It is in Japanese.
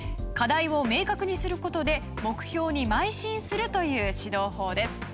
課題を明確にする事で目標に邁進するという指導法です。